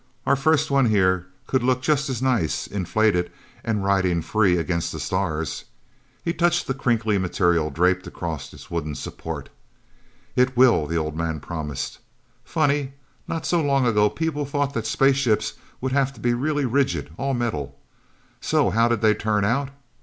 "Our first one, here, could look just as nice inflated, and riding free against the stars." He touched the crinkly material, draped across its wooden support. "It will," the old man promised. "Funny not so long ago people thought that space ships would have to be really rigid all metal. So how did they turn out?